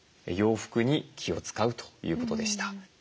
洋服に気を遣うということでした。